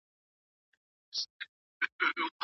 په پير او پلور کي امانت وساتئ.